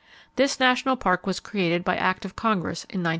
This National Park was created by Act of Congress in 1902.